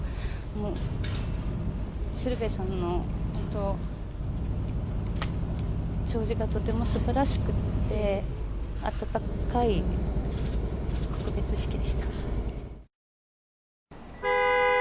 もう鶴瓶さんの本当、弔辞がとてもすばらしくって、温かい告別式でした。